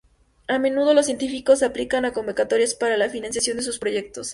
A menudo los científicos aplican a convocatorias para la financiación de sus proyectos.